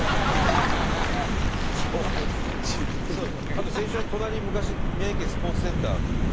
あと仙商の隣に昔宮城県スポーツセンターっていう。